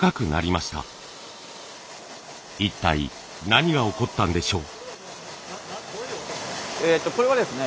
一体何が起こったんでしょう？